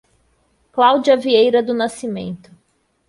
Cláudia Vieira do Nascimento